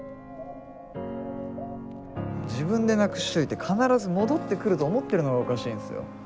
自分でなくしといて必ず戻ってくると思ってるのがおかしいんすよ。